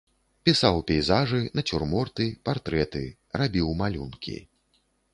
Пісаў пейзажы, нацюрморты, партрэты, рабіў малюнкі.